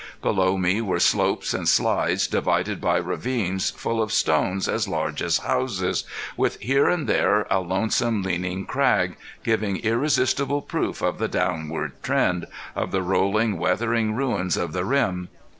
Below me were slopes and slides divided by ravines full of stones as large as houses, with here and there a lonesome leaning crag, giving irresistible proof of the downward trend, of the rolling, weathering ruins of the rim.